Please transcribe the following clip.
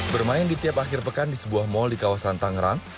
bermain di tiap akhir pekan di sebuah mal di kawasan tangerang